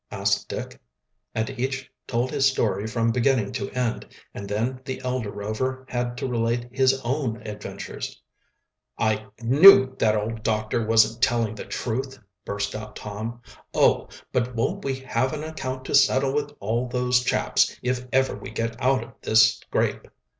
asked Dick, and each told his story from beginning to end, and then the elder Rover had to relate his own adventures. "I knew that old doctor wasn't telling the truth," burst out Tom. "Oh, but won't we have an account to settle with all of those chaps, if ever we get out of this scrape."